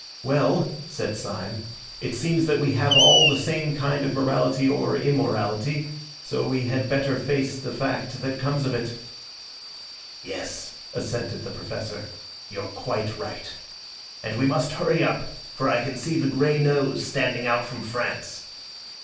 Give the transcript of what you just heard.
"Well," said Syme, "it seems that we have all the same kind of morality or immorality, so we had better face the fact that comes of it." "Yes," assented the Professor, "you're quite right; and we must hurry up, for I can see the Grey Nose standing out from France."